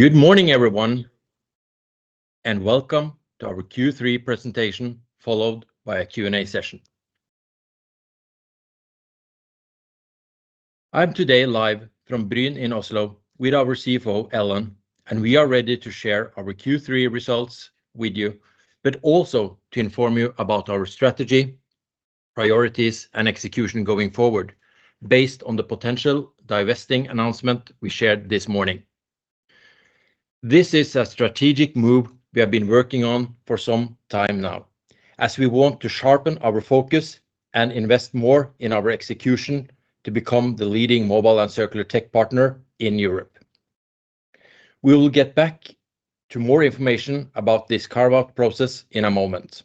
Good morning, everyone, and welcome to our Q3 presentation, followed by a Q&A session. I'm today live from Bryne in Oslo with our CFO, Ellen, and we are ready to share our Q3 results with you, but also to inform you about our strategy, priorities, and execution going forward based on the potential divesting announcement we shared this morning. This is a strategic move we have been working on for some time now, as we want to sharpen our focus and invest more in our execution to become the leading mobile and circular tech partner in Europe. We will get back to more information about this carve-out process in a moment.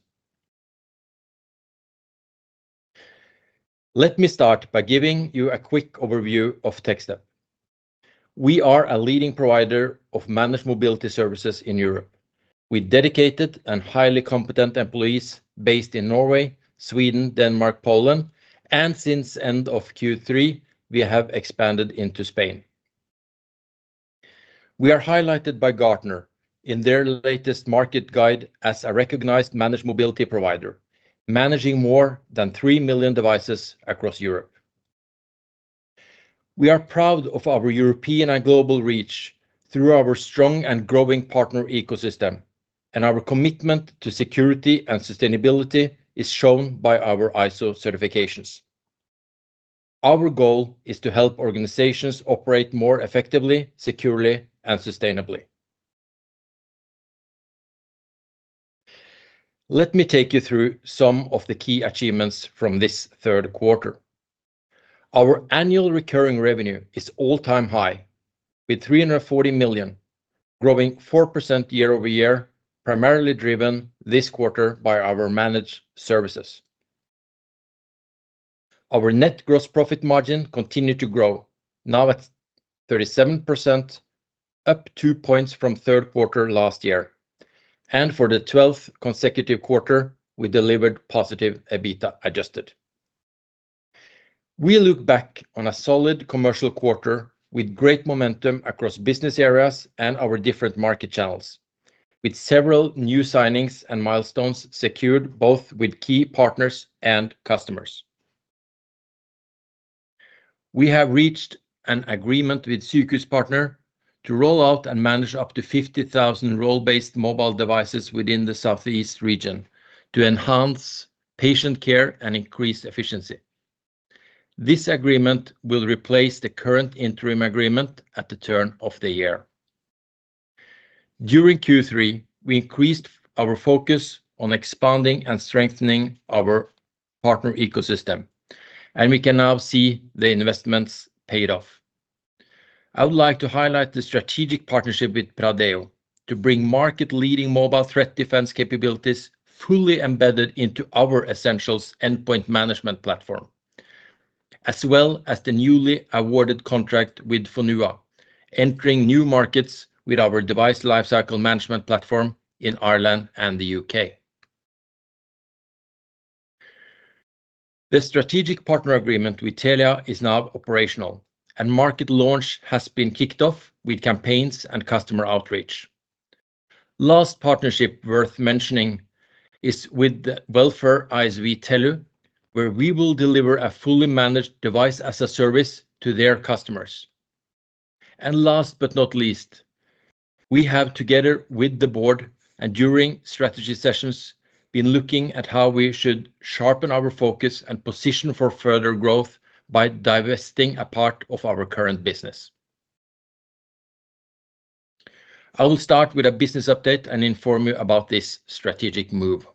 Let me start by giving you a quick overview of Techstep. We are a leading provider of managed mobility services in Europe, with dedicated and highly competent employees based in Norway, Sweden, Denmark, Poland, and since the end of Q3, we have expanded into Spain. We are highlighted by Gartner in their latest market guide as a recognized managed mobility provider, managing more than 3 million devices across Europe. We are proud of our European and global reach through our strong and growing partner ecosystem, and our commitment to security and sustainability is shown by our ISO certifications. Our goal is to help organizations operate more effectively, securely, and sustainably. Let me take you through some of the key achievements from this third quarter. Our annual recurring revenue is all-time high, with 340 million, growing 4% year-over-year, primarily driven this quarter by our managed services. Our net gross profit margin continued to grow, now at 37%, up two percentage points from third quarter last year, and for the 12th consecutive quarter, we delivered positive EBITDA adjusted. We look back on a solid commercial quarter with great momentum across business areas and our different market channels, with several new signings and milestones secured both with key partners and customers. We have reached an agreement with Sykehuspartner to roll out and manage up to 50,000 role-based mobile devices within the Southeast region to enhance patient care and increase efficiency. This agreement will replace the current interim agreement at the turn of the year. During Q3, we increased our focus on expanding and strengthening our partner ecosystem, and we can now see the investments paid off. I would like to highlight the strategic partnership with Pradeo to bring market-leading mobile threat defense capabilities fully embedded into our Essentials Endpoint Management platform, as well as the newly awarded contract with Fonua, entering new markets with our device lifecycle management platform in Ireland and the U.K. The strategic partner agreement with Telia is now operational, and market launch has been kicked off with campaigns and customer outreach. The last partnership worth mentioning is with the welfare ISV Tellu, where we will deliver a fully managed device as a service to their customers. Last but not least, we have, together with the board and during strategy sessions, been looking at how we should sharpen our focus and position for further growth by divesting a part of our current business. I will start with a business update and inform you about this strategic move.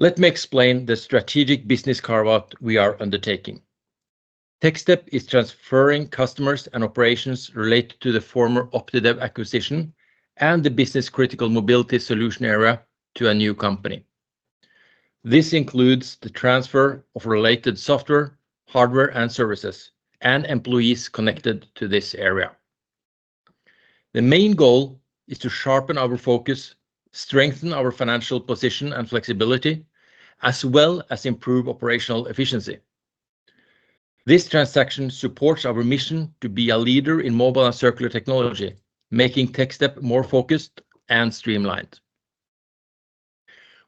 Let me explain the strategic business carve-out we are undertaking. Techstep is transferring customers and operations related to the former Optidev acquisition and the business-critical mobility solution area to a new company. This includes the transfer of related software, hardware, and services, and employees connected to this area. The main goal is to sharpen our focus, strengthen our financial position and flexibility, as well as improve operational efficiency. This transaction supports our mission to be a leader in mobile and circular technology, making Techstep more focused and streamlined.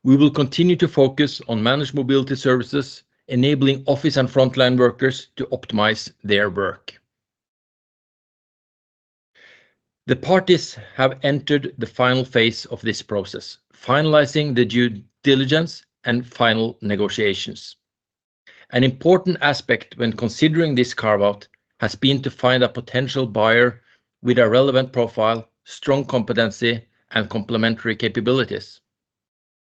We will continue to focus on managed mobility services, enabling office and frontline workers to optimize their work. The parties have entered the final phase of this process, finalizing the due diligence and final negotiations. An important aspect when considering this carve-out has been to find a potential buyer with a relevant profile, strong competency, and complementary capabilities.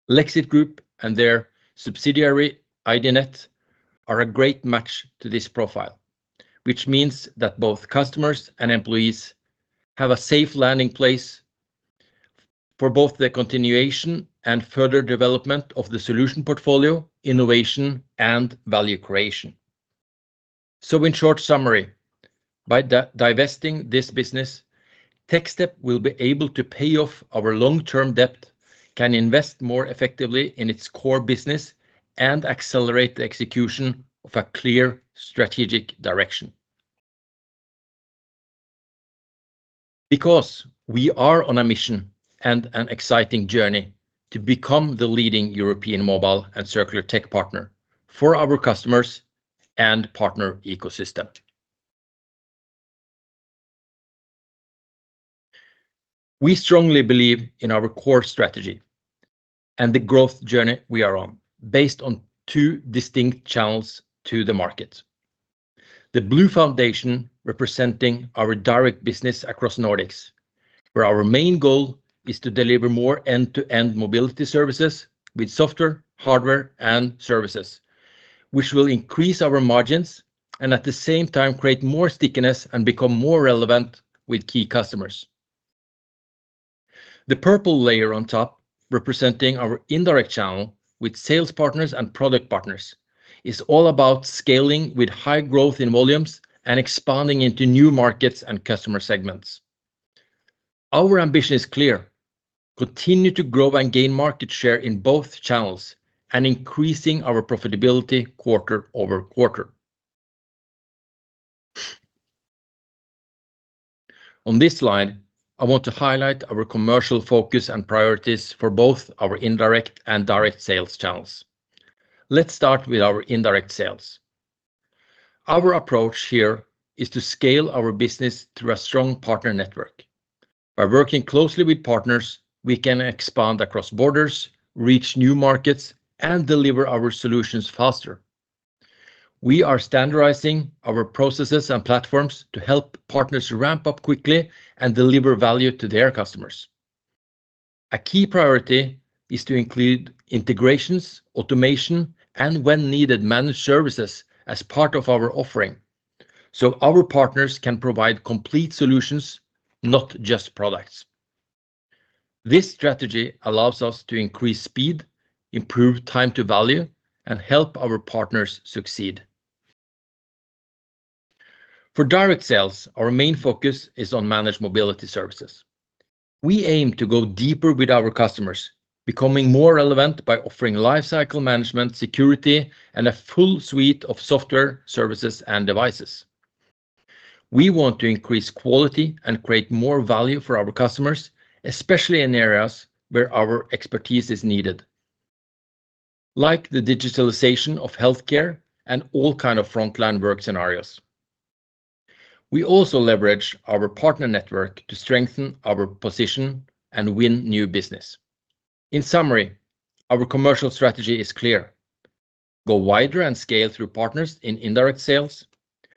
Lexit Group and their subsidiary Idnet are a great match to this profile, which means that both customers and employees have a safe landing place for both the continuation and further development of the solution portfolio, innovation, and value creation. In short summary, by divesting this business, Techstep will be able to pay off our long-term debt, can invest more effectively in its core business, and accelerate the execution of a clear strategic direction. We are on a mission and an exciting journey to become the leading European mobile and circular tech partner for our customers and partner ecosystem. We strongly believe in our core strategy and the growth journey we are on, based on two distinct channels to the market. The Blue Foundation representing our direct business across Nordics, where our main goal is to deliver more end-to-end mobility services with software, hardware, and services, which will increase our margins and at the same time create more stickiness and become more relevant with key customers. The purple layer on top, representing our indirect channel with sales partners and product partners, is all about scaling with high growth in volumes and expanding into new markets and customer segments. Our ambition is clear: continue to grow and gain market share in both channels and increasing our profitability quarter-over-quarter. On this slide, I want to highlight our commercial focus and priorities for both our indirect and direct sales channels. Let's start with our indirect sales. Our approach here is to scale our business through a strong partner network. By working closely with partners, we can expand across borders, reach new markets, and deliver our solutions faster. We are standardizing our processes and platforms to help partners ramp up quickly and deliver value to their customers. A key priority is to include integrations, automation, and when needed, managed services as part of our offering, so our partners can provide complete solutions, not just products. This strategy allows us to increase speed, improve time to value, and help our partners succeed. For direct sales, our main focus is on managed mobility services. We aim to go deeper with our customers, becoming more relevant by offering lifecycle management, security, and a full suite of software, services, and devices. We want to increase quality and create more value for our customers, especially in areas where our expertise is needed, like the digitalization of healthcare and all kinds of frontline work scenarios. We also leverage our partner network to strengthen our position and win new business. In summary, our commercial strategy is clear: go wider and scale through partners in indirect sales,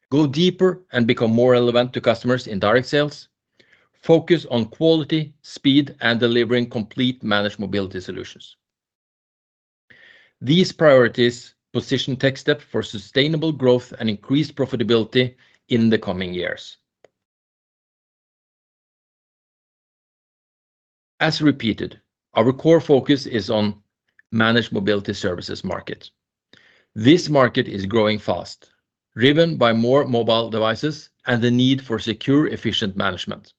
go deeper and become more relevant to customers in direct sales, focus on quality, speed, and delivering complete managed mobility solutions. These priorities position Techstep for sustainable growth and increased profitability in the coming years. As repeated, our core focus is on the managed mobility services market. This market is growing fast, driven by more mobile devices and the need for secure, efficient management.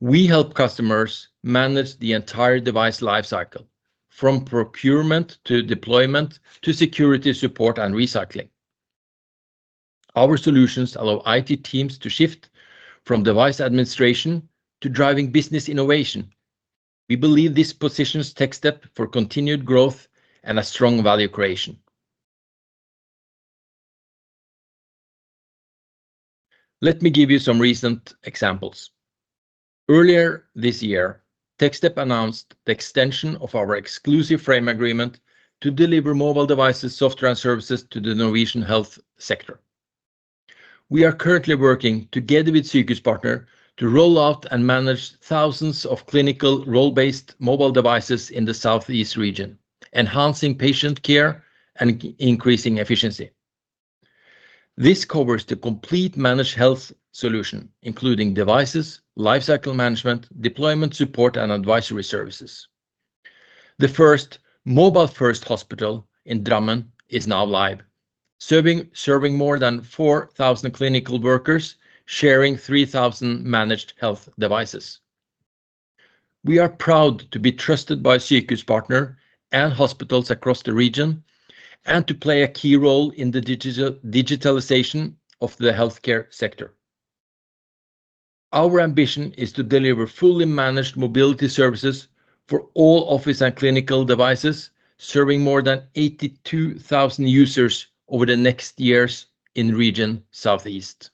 We help customers manage the entire device lifecycle, from procurement to deployment to security support and recycling. Our solutions allow IT teams to shift from device administration to driving business innovation. We believe this positions Techstep for continued growth and a strong value creation. Let me give you some recent examples. Earlier this year, Techstep announced the extension of our exclusive frame agreement to deliver mobile devices, software, and services to the Norwegian health sector. We are currently working together with Sykehuspartner to roll out and manage thousands of clinical role-based mobile devices in the Southeast region, enhancing patient care and increasing efficiency. This covers the complete managed health solution, including devices, lifecycle management, deployment support, and advisory services. The first mobile-first hospital in Drammen is now live, serving more than 4,000 clinical workers, sharing 3,000 managed health devices. We are proud to be trusted by Sykehuspartner and hospitals across the region and to play a key role in the digitalization of the healthcare sector. Our ambition is to deliver fully managed mobility services for all office and clinical devices, serving more than 82,000 users over the next years in the region Southeast.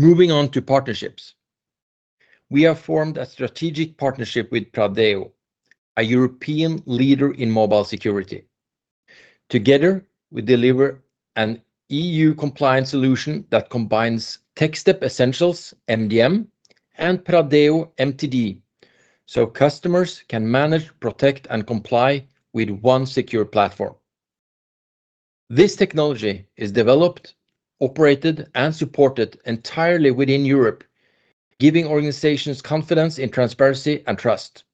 Moving on to partnerships, we have formed a strategic partnership with Pradeo, a European leader in mobile security. Together, we deliver an EU-compliant solution that combines Techstep Essentials, MDM, and Pradeo MTD, so customers can manage, protect, and comply with one secure platform. This technology is developed, operated, and supported entirely within Europe, giving organizations confidence in transparency and trust.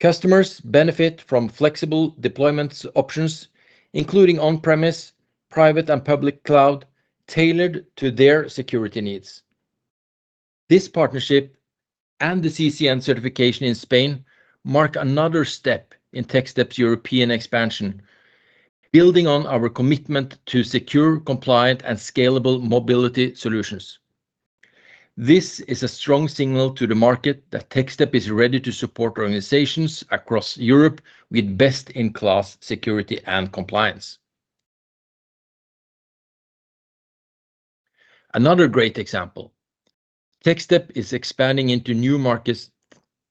Customers benefit from flexible deployment options, including on-premise, private and public cloud, tailored to their security needs. This partnership and the CCN certification in Spain mark another step in Techstep's European expansion, building on our commitment to secure compliant and scalable mobility solutions. This is a strong signal to the market that Techstep is ready to support organizations across Europe with best-in-class security and compliance. Another great example: Techstep is expanding into new markets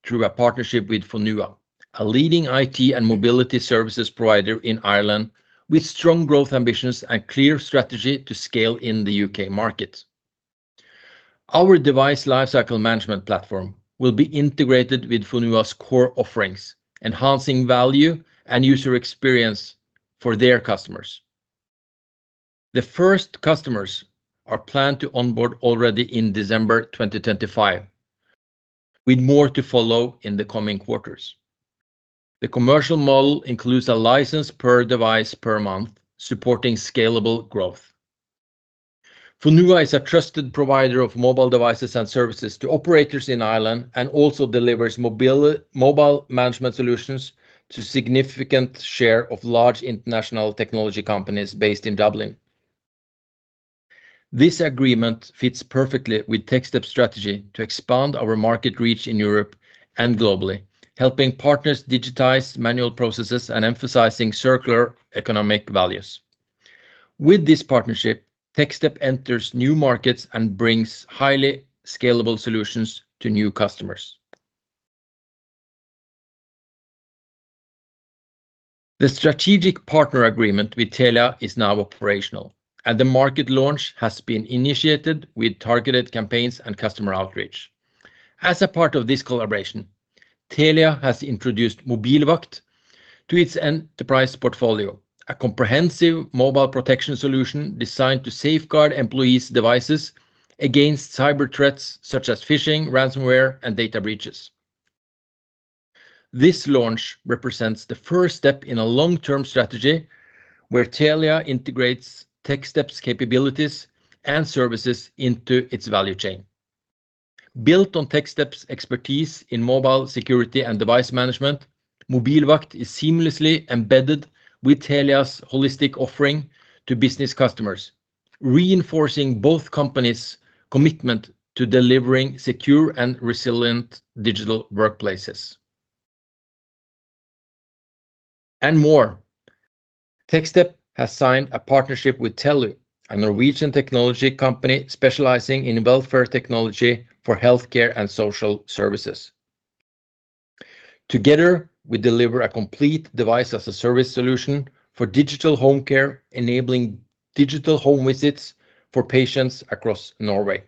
through a partnership with Fonua, a leading IT and mobility services provider in Ireland, with strong growth ambitions and a clear strategy to scale in the U.K. market. Our device lifecycle management platform will be integrated with Fonua's core offerings, enhancing value and user experience for their customers. The first customers are planned to onboard already in December 2025, with more to follow in the coming quarters. The commercial model includes a license per device per month, supporting scalable growth. Fonua is a trusted provider of mobile devices and services to operators in Ireland and also delivers mobile management solutions to a significant share of large international technology companies based in Dublin. This agreement fits perfectly with Techstep's strategy to expand our market reach in Europe and globally, helping partners digitize manual processes and emphasizing circular economic values. With this partnership, Techstep enters new markets and brings highly scalable solutions to new customers. The strategic partner agreement with Telia is now operational, and the market launch has been initiated with targeted campaigns and customer outreach. As a part of this collaboration, Telia has introduced MobilVakt to its enterprise portfolio, a comprehensive mobile protection solution designed to safeguard employees' devices against cyber threats such as phishing, ransomware, and data breaches. This launch represents the first step in a long-term strategy where Telia integrates Techstep's capabilities and services into its value chain. Built on Techstep's expertise in mobile security and device management, MobilVakt is seamlessly embedded with Telia's holistic offering to business customers, reinforcing both companies' commitment to delivering secure and resilient digital workplaces. Moreover, Techstep has signed a partnership with Tellu, a Norwegian technology company specializing in welfare technology for healthcare and social services. Together, we deliver a complete device-as-a-service solution for digital home care, enabling digital home visits for patients across Norway.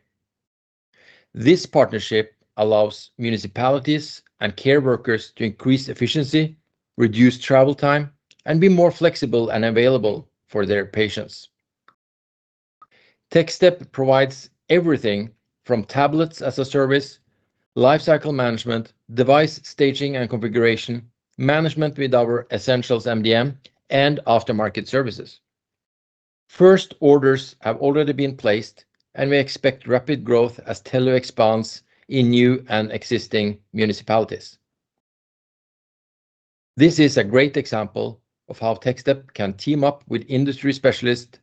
This partnership allows municipalities and care workers to increase efficiency, reduce travel time, and be more flexible and available for their patients. Techstep provides everything from tablets-as-a-service, lifecycle management, device staging and configuration, management with our Essentials MDM, and aftermarket services. First orders have already been placed, and we expect rapid growth as Tellu expands in new and existing municipalities. This is a great example of how Techstep can team up with industry specialists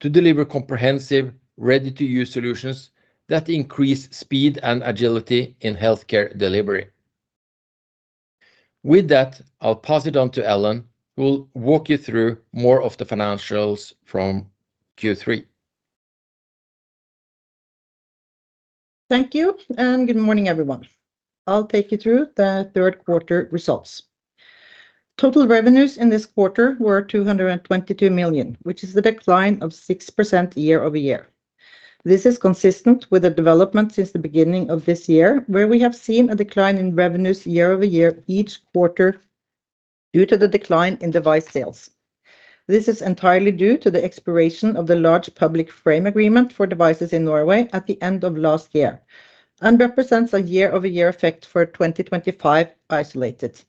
to deliver comprehensive, ready-to-use solutions that increase speed and agility in healthcare delivery. With that, I'll pass it on to Ellen, who will walk you through more of the financials from Q3. Thank you, and good morning, everyone. I'll take you through the third quarter results. Total revenues in this quarter were 222 million, which is a decline of 6% year-over-year. This is consistent with the development since the beginning of this year, where we have seen a decline in revenues year-over-year each quarter due to the decline in device sales. This is entirely due to the expiration of the large public frame agreement for devices in Norway at the end of last year and represents a year-over-year effect for 2025 isolated.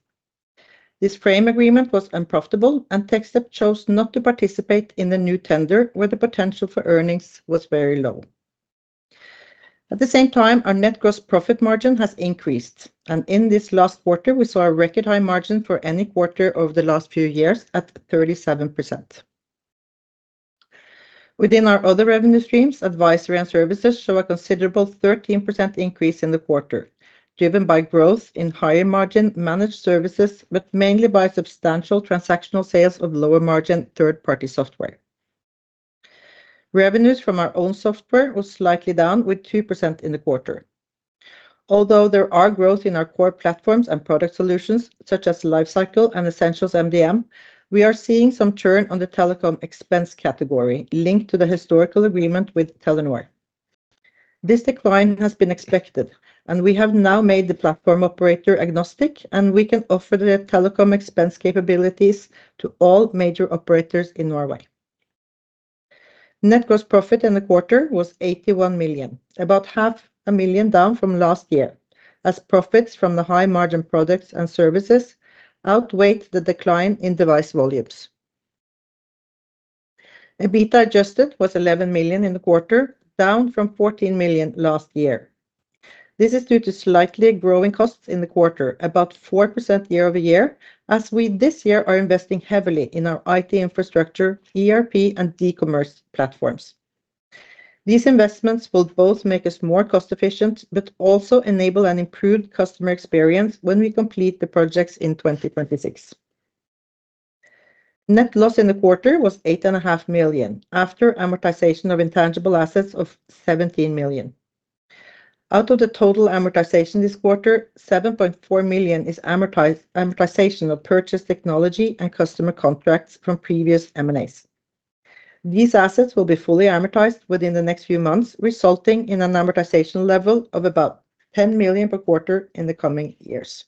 This frame agreement was unprofitable, and Techstep chose not to participate in the new tender, where the potential for earnings was very low. At the same time, our net gross profit margin has increased, and in this last quarter, we saw a record high margin for any quarter over the last few years at 37%. Within our other revenue streams, advisory and services show a considerable 13% increase in the quarter, driven by growth in higher margin managed services, but mainly by substantial transactional sales of lower margin third-party software. Revenues from our own software were slightly down, with 2% in the quarter. Although there is growth in our core platforms and product solutions, such as Lifecycle and Essentials MDM, we are seeing some churn on the telecom expense category linked to the historical agreement with Telenor. This decline has been expected, and we have now made the platform operator agnostic, and we can offer the telecom expense capabilities to all major operators in Norway. Net gross profit in the quarter was 81 million, about 500,000 down from last year, as profits from the high-margin products and services outweighed the decline in device volumes. EBITDA adjusted was 11 million in the quarter, down from 14 million last year. This is due to slightly growing costs in the quarter, about 4% year-over-year, as we this year are investing heavily in our IT infrastructure, ERP, and e-commerce platforms. These investments will both make us more cost-efficient but also enable an improved customer experience when we complete the projects in 2026. Net loss in the quarter was 8.5 million after amortization of intangible assets of 17 million. Out of the total amortization this quarter, 7.4 million is amortization of purchased technology and customer contracts from previous M&As. These assets will be fully amortized within the next few months, resulting in an amortization level of about 10 million per quarter in the coming years.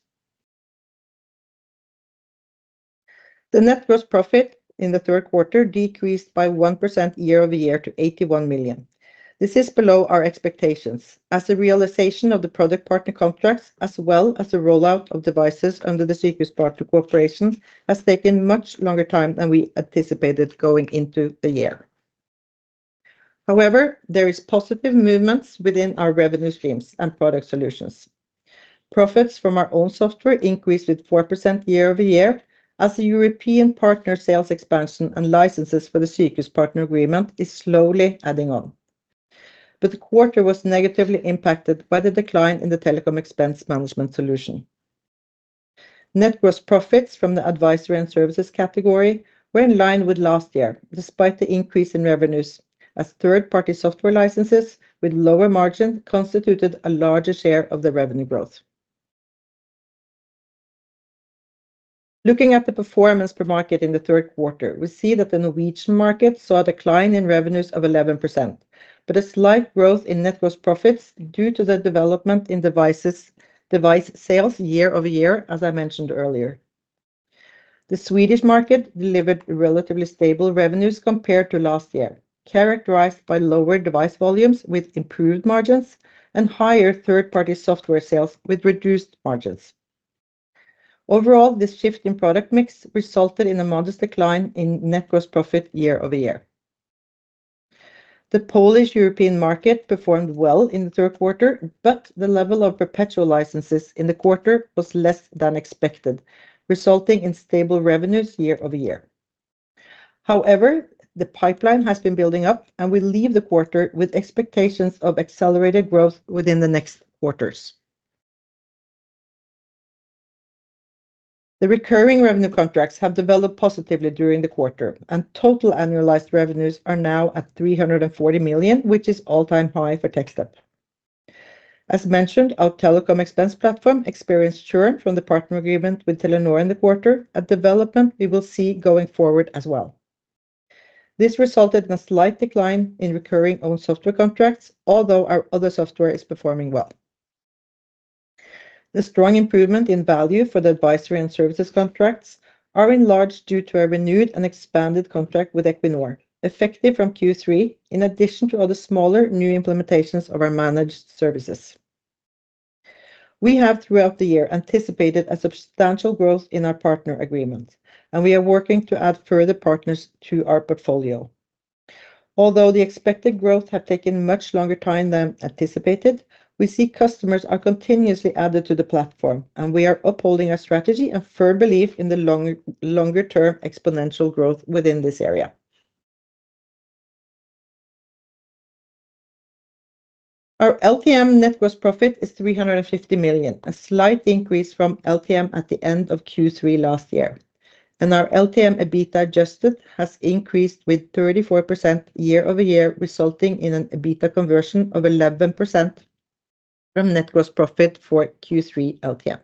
The net gross profit in the third quarter decreased by 1% year-over-year to 81 million. This is below our expectations, as the realization of the product-partner contracts, as well as the rollout of devices under the Sykehuspartner corporation, has taken much longer time than we anticipated going into the year. However, there are positive movements within our revenue streams and product solutions. Profits from our own software increased with 4% year-over-year, as the European partner sales expansion and licenses for the Sykehuspartner agreement are slowly adding on. The quarter was negatively impacted by the decline in the telecom expense management solution. Net gross profits from the advisory and services category were in line with last year, despite the increase in revenues, as third-party software licenses with lower margin constituted a larger share of the revenue growth. Looking at the performance per market in the third quarter, we see that the Norwegian market saw a decline in revenues of 11%, but a slight growth in net gross profits due to the development in device sales year-over-year, as I mentioned earlier. The Swedish market delivered relatively stable revenues compared to last year, characterized by lower device volumes with improved margins and higher third-party software sales with reduced margins. Overall, this shift in product mix resulted in a modest decline in net gross profit year-over-year. The Polish European market performed well in the third quarter, but the level of perpetual licenses in the quarter was less than expected, resulting in stable revenues year-over-year. However, the pipeline has been building up, and we leave the quarter with expectations of accelerated growth within the next quarters. The recurring revenue contracts have developed positively during the quarter, and total annualized revenues are now at 340 million, which is all-time high for Techstep. As mentioned, our telecom expense platform experienced churn from the partner agreement with Telenor in the quarter, a development we will see going forward as well. This resulted in a slight decline in recurring owned software contracts, although our other software is performing well. The strong improvement in value for the advisory and services contracts is enlarged due to a renewed and expanded contract with Equinor, effective from Q3, in addition to other smaller new implementations of our managed services. We have, throughout the year, anticipated a substantial growth in our partner agreement, and we are working to add further partners to our portfolio. Although the expected growth has taken much longer time than anticipated, we see customers are continuously added to the platform, and we are upholding our strategy and firm belief in the longer-term exponential growth within this area. Our LTM net gross profit is 350 million, a slight increase from LTM at the end of Q3 last year, and our LTM EBITDA adjusted has increased with 34% year-over-year, resulting in an EBITDA conversion of 11% from net gross profit for Q3 LTM.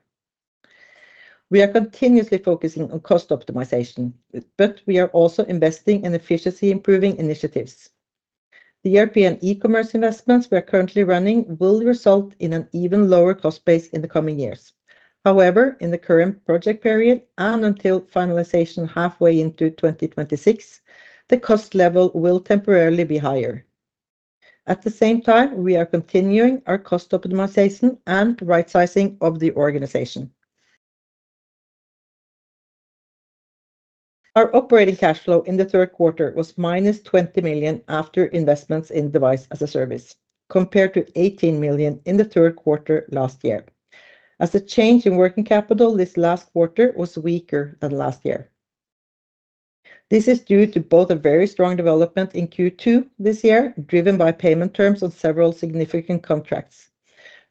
We are continuously focusing on cost optimization, but we are also investing in efficiency-improving initiatives. The European e-commerce investments we are currently running will result in an even lower cost base in the coming years. However, in the current project period and until finalization halfway into 2026, the cost level will temporarily be higher. At the same time, we are continuing our cost optimization and right-sizing of the organization. Our operating cash flow in the third quarter was -20 million after investments in device as a service, compared to 18 million in the third quarter last year, as the change in working capital this last quarter was weaker than last year. This is due to both a very strong development in Q2 this year, driven by payment terms on several significant contracts,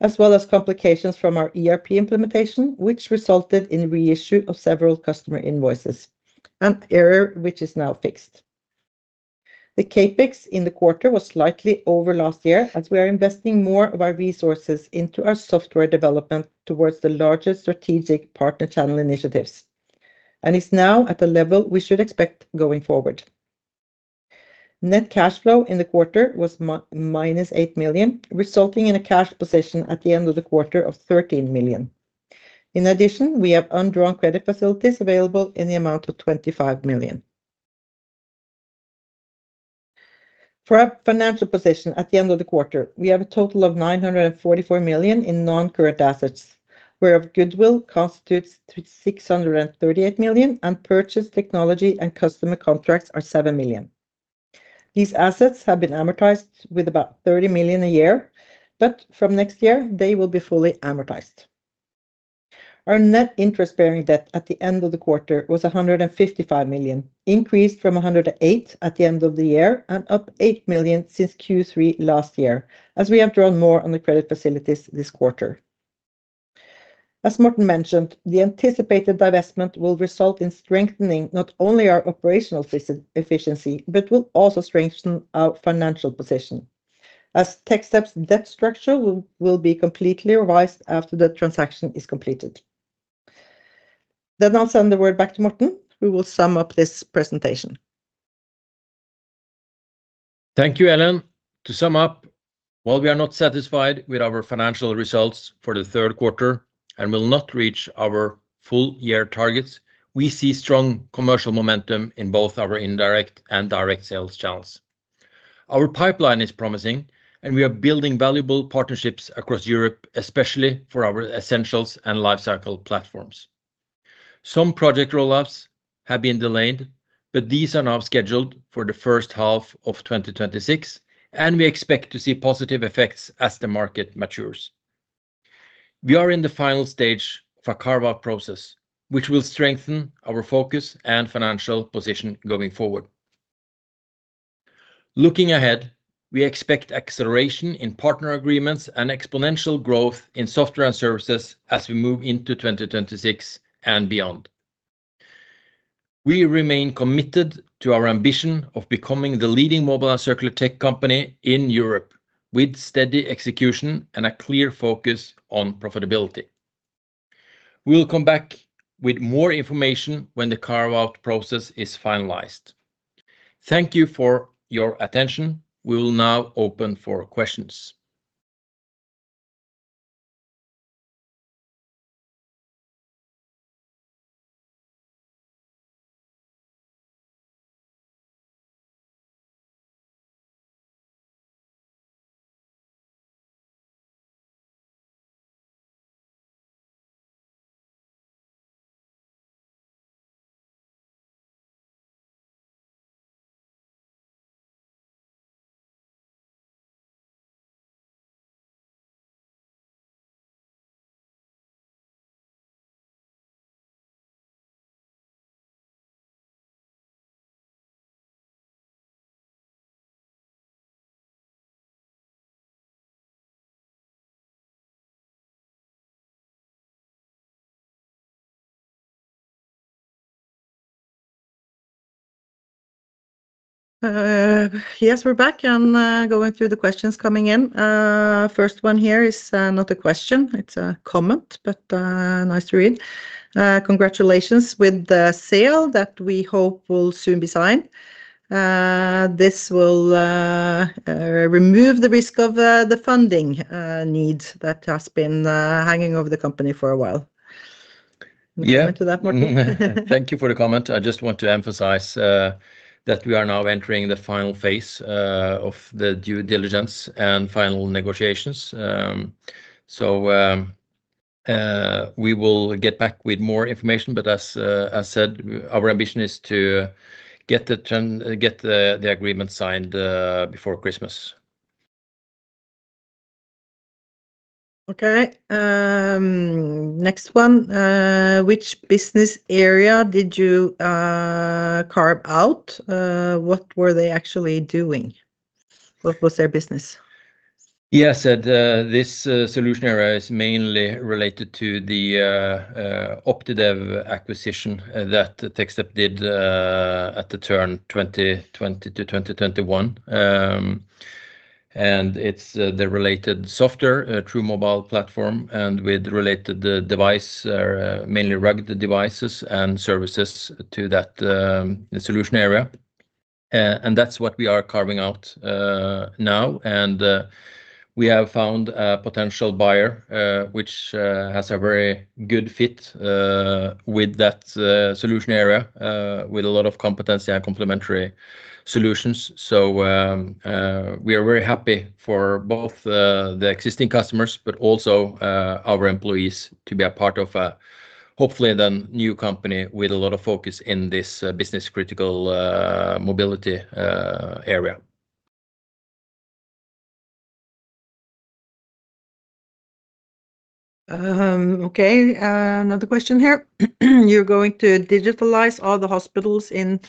as well as complications from our ERP implementation, which resulted in reissue of several customer invoices, an error which is now fixed. The CapEx in the quarter was slightly over last year, as we are investing more of our resources into our software development towards the larger strategic partner channel initiatives, and is now at the level we should expect going forward. Net cash flow in the quarter was -8 million, resulting in a cash position at the end of the quarter of 13 million. In addition, we have undrawn credit facilities available in the amount of 25 million. For our financial position at the end of the quarter, we have a total of 944 million in non-current assets, where of goodwill constitutes 638 million, and purchased technology and customer contracts are 7 million. These assets have been amortized with about 30 million a year, but from next year, they will be fully amortized. Our net interest-bearing debt at the end of the quarter was 155 million, increased from 108 million at the end of the year and up 8 million since Q3 last year, as we have drawn more on the credit facilities this quarter. As Morten mentioned, the anticipated divestment will result in strengthening not only our operational efficiency but will also strengthen our financial position, as Techstep's debt structure will be completely revised after the transaction is completed. I will send the word back to Morten, who will sum up this presentation. Thank you, Ellen. To sum up, while we are not satisfied with our financial results for the third quarter and will not reach our full-year targets, we see strong commercial momentum in both our indirect and direct sales channels. Our pipeline is promising, and we are building valuable partnerships across Europe, especially for our Essentials and Lifecycle platforms. Some project rollouts have been delayed, but these are now scheduled for the first half of 2026, and we expect to see positive effects as the market matures. We are in the final stage of our carve-out process, which will strengthen our focus and financial position going forward. Looking ahead, we expect acceleration in partner agreements and exponential growth in software and services as we move into 2026 and beyond. We remain committed to our ambition of becoming the leading mobile and circular tech company in Europe, with steady execution and a clear focus on profitability. We will come back with more information when the carve-out process is finalized. Thank you for your attention. We will now open for questions. Yes, we're back and going through the questions coming in. First one here is not a question, it's a comment, but nice to read. Congratulations with the sale that we hope will soon be signed. This will remove the risk of the funding needs that have been hanging over the company for a while. Yeah, you want to take that, Morten? Thank you for the comment. I just want to emphasize that we are now entering the final phase of the due diligence and final negotiations. We will get back with more information, but as I said, our ambition is to get the agreement signed before Christmas. Okay. Next one. Which business area did you carve out? What were they actually doing? What was their business? Yes, this solution area is mainly related to the Optidev acquisition that Techstep did at the turn of 2020 to 2021. It is the related software, a true mobile platform, and with related devices, mainly rugged devices and services to that solution area. That is what we are carving out now. We have found a potential buyer which has a very good fit with that solution area, with a lot of competency and complementary solutions. We are very happy for both the existing customers but also our employees to be a part of a hopefully then new company with a lot of focus in this business-critical mobility area. Okay. Another question here. You're going to digitalize all the hospitals in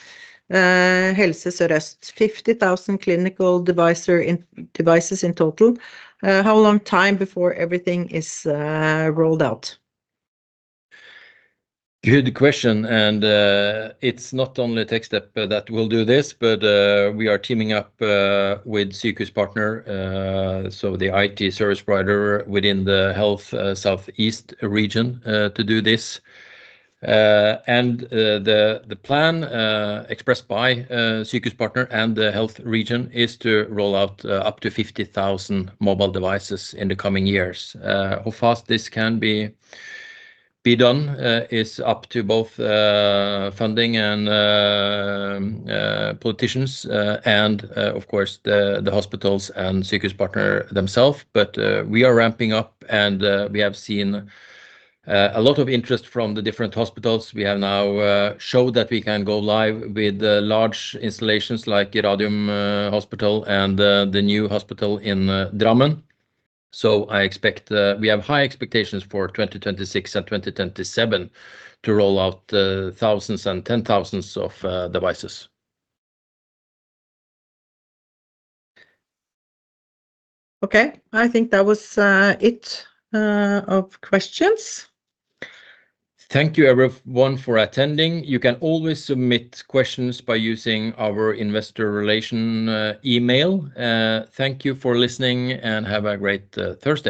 Helse Sør-Øst, 50,000 clinical devices in total. How long time before everything is rolled out? Good question. It is not only Techstep that will do this, but we are teaming up with Sykehuspartner, so the IT service provider within the health southeast region, to do this. The plan expressed by Sykehuspartner and the health region is to roll out up to 50,000 mobile devices in the coming years. How fast this can be done is up to both funding and politicians and, of course, the hospitals and Sykehuspartner themselves. We are ramping up, and we have seen a lot of interest from the different hospitals. We have now showed that we can go live with large installations like Radium Hospital and the new hospital in Drammen. I expect we have high expectations for 2026 and 2027 to roll out thousands and ten thousands of devices. Okay. I think that was it of questions. Thank you, everyone, for attending. You can always submit questions by using our investor relation email. Thank you for listening and have a great Thursday.